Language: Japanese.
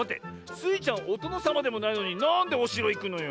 スイちゃんおとのさまでもないのになんでおしろいくのよ。